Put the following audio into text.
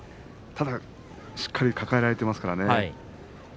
ただ、しっかりと抱えられていますからね。